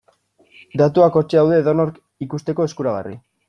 Datuak hortxe daude edonork ikusteko eskuragarri.